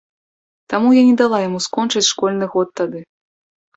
Таму я не дала яму скончыць школьны год тады.